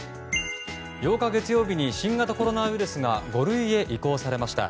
８日、月曜日に新型コロナウイルスが５類へと移行されました。